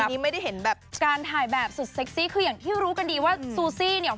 สำหรับการถ่ายแบบสุดเซ็กซี่คืออย่างที่รู้กันดีว่าซูซี่เนี่ย